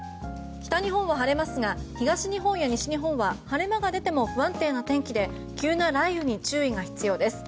北日本は晴れますが東日本や西日本は晴れ間が出ても不安定な天気で急な雷雨に注意が必要です。